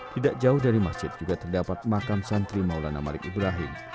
tidak jauh dari masjid juga terdapat makam santri maulana malik ibrahim